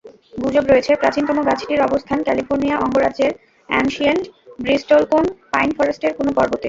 গুজব রয়েছে, প্রাচীনতম গাছটির অবস্থান ক্যালিফোর্নিয়া অঙ্গরাজ্যের অ্যানশিয়েন্ট ব্রিস্টলকোন পাইন ফরেস্টের কোনো পর্বতে।